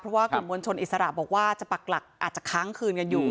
เพราะว่ากลุ่มมวลชนอิสระบอกว่าจะปักหลักอาจจะค้างคืนกันอยู่